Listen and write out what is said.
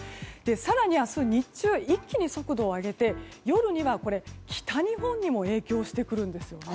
更に明日日中一気に速度を上げて夜には北日本にも影響してくるんですよね。